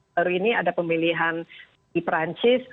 baru ini ada pemilihan di perancis